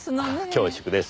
恐縮です。